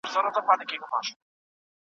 د شمېرنې وړاندیز کولی سي د فکر شفافیت ډېر کړي.